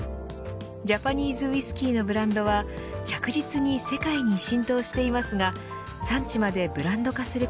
ジャパニーズウイスキーのブランドは着実に世界に浸透していますが産地までブランド化する